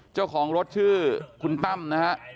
เจ้าของรถชื่อคุณตั้มนะฮะ